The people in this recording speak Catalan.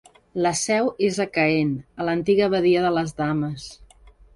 La seu és a Caen, a l'antiga abadia de les Dames.